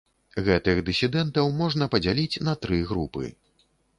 Гэтых дысідэнтаў можна падзяліць на тры групы.